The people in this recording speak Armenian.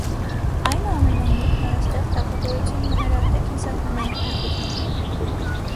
Այնուամենայնիվ, նորաստեղծ թագավորությունն ուներ արտաքին սահմանային խնդիրներ։